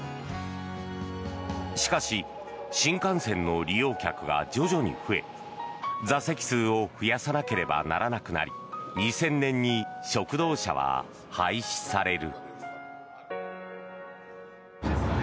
しかし新幹線の利用客が徐々に増え座席数を増やさなければならなくなり２０００年に食堂車は廃止される。